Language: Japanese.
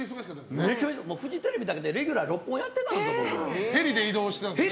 フジテレビだけでレギュラー６本やってたんだから。